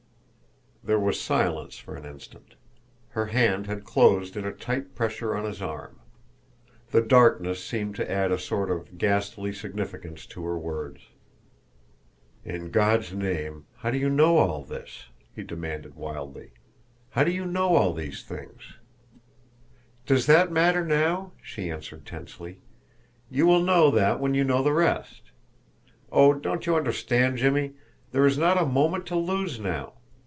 There was silence for an instant. Her hand had closed in a tight pressure on his arm. The darkness seemed to add a sort of ghastly significance to her words. "In God's name, how do you know all this?" he demanded wildly. "How do you know all these things? "Does that matter now?" she answered tensely. "You will know that when you know the rest. Oh, don't you understand, Jimmie, there is not a moment to lose now?